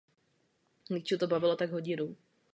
Evropská unie toto úsilí bezvýhradně podporovala.